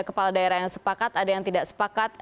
kepala daerah yang sepakat ada yang tidak sepakat